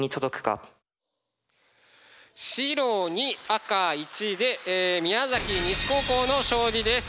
白２赤１で宮崎西高校の勝利です。